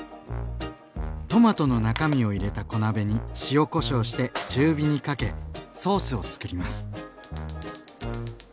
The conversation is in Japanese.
トマトの中身を入れた小鍋に塩・こしょうして中火にかけソースをつくります。